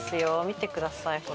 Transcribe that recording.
見てくださいほら。